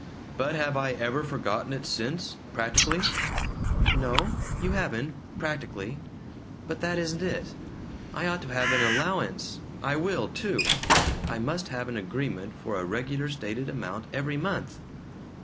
But have I ever forgotten it since practically?" "No. You haven't practically! But that isn't it. I ought to have an allowance. I will, too! I must have an agreement for a regular stated amount, every month."